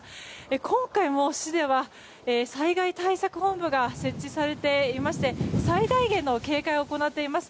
今回も市では災害対策本部が設置されていまして最大限の警戒を行っています。